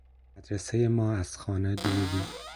مدرسهٔ ما از خانه دور بود